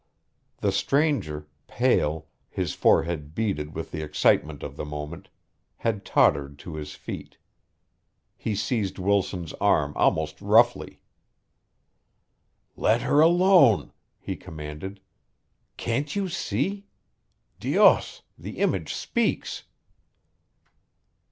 The stranger, pale, his forehead beaded with the excitement of the moment, had tottered to his feet He seized Wilson's arm almost roughly. "Let her alone!" he commanded. "Can't you see? Dios! the image speaks!"